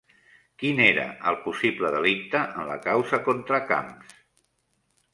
Quin era el possible delicte en la causa contra Camps?